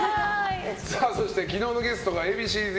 そして昨日のゲストがＡ．Ｂ．Ｃ‐Ｚ